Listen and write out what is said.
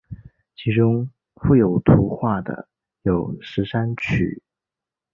其中附有图画的有十三曲。